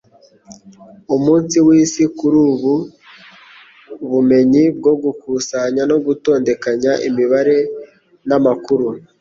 Umunsi wisi kuri ubu bumenyi bwo gukusanya no gutondekanya imibare namakuru